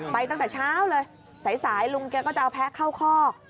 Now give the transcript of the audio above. ตั้งแต่เช้าเลยสายลุงแกก็จะเอาแพ้เข้าคอก